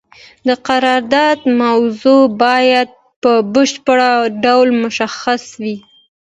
د قرارداد موضوع باید په بشپړ ډول مشخصه وي.